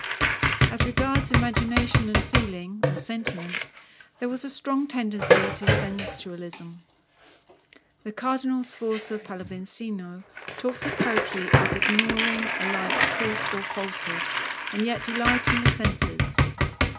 As regards imagination and feeling, or sentiment, there was a strong tendency to sensualism. The Cardinal Sforza Pallavicino talks of poetry as ignoring alike truth or falsehood and yet delighting the senses.